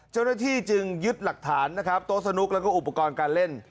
เจ้าหน้าที่จึงยึดหลักฐานนะครับโต๊ะสนุกแล้วก็อุปกรณ์การเล่น